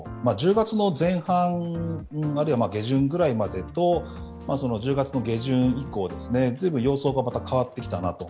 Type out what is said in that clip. １０月の前半、あるいは下旬くらいまでと１０月下旬以降、ずいぶん様相が変わってきたなと。